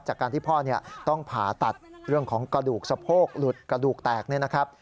จากการที่พ่อต้องผ่าตัดเรื่องของกระดูกสะโพกหลุดกระดูกแตกเนี่ยนะครับ